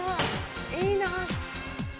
いいな。